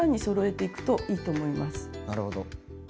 なるほど。